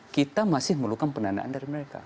kita masih memerlukan pendanaan dari mereka